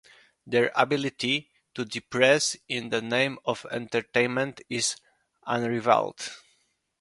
Their ability to depress in the name of entertainment is unrivalled.